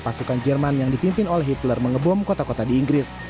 pasukan jerman yang dipimpin oleh hitler mengebom kota kota di inggris